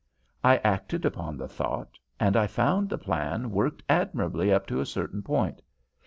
I acted upon the thought, and I found the plan worked admirably up to a certain point.